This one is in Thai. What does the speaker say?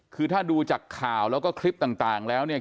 คือถ้าดูจากข่าวแล้วก็คลิปต่างแล้วเนี่ย